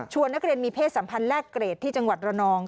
นักเรียนมีเพศสัมพันธ์แลกเกรดที่จังหวัดระนอง